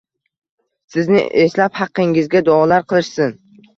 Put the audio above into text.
Sizni eslab, haqqingizga duolar qilishsin